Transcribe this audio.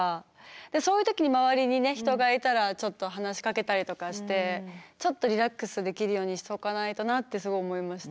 そういう時に周りにね人がいたらちょっと話しかけたりとかしてちょっとリラックスできるようにしとかないとなってすごい思いました。